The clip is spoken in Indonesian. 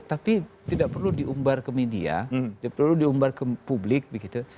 tapi tidak perlu diumbar ke media tidak perlu diumbar ke publik begitu